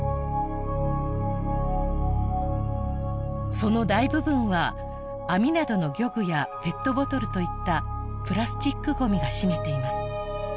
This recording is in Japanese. その大部分は網などの漁具やペットボトルといったプラスチックごみが占めています